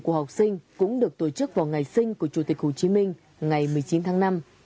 của học sinh cũng được tổ chức vào ngày sinh của chủ tịch hồ chí minh ngày một mươi chín tháng năm